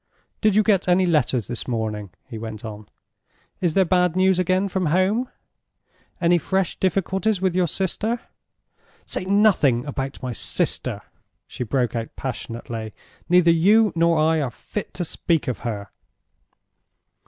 "Did you get any letters this morning?" he went on. "Is there bad news again from home? Any fresh difficulties with your sister?" "Say nothing about my sister!" she broke out passionately. "Neither you nor I are fit to speak of her."